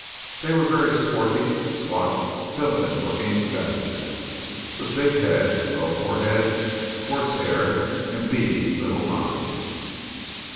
They were very swarthy, squat, villainous looking savages, with big heads, low foreheads, coarse hair, and beady little eyes.